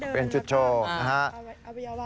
เปลี่ยนจุดโชว์